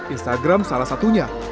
instagram salah satunya